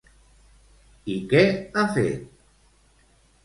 I què ha fet?